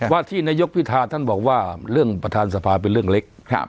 ว่าที่นายกพิธาท่านบอกว่าเรื่องประธานสภาเป็นเรื่องเล็ก